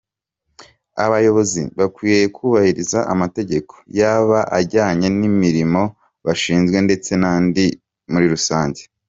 Abayobozi bakwiriye kubahiriza amategeko, yaba ajyanye n’imirimo bashinzwe, ndetse n’andi muri rusange."